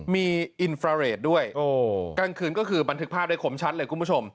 มีอินฟราเรทด้วยกลางคืนก็คือบันทึกภาพได้คมชัดเลยคุณผู้ชม